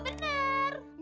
ini kan belakang